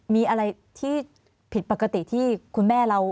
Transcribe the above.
มีอะไรที่ผิดปกติที่คุณแม่เรา